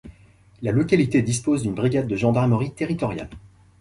La localité dispose d'une brigade de gendarmerie territoriale.